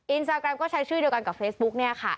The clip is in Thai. อินสตาแกรมก็ใช้ชื่อเดียวกันกับเฟซบุ๊กเนี่ยค่ะ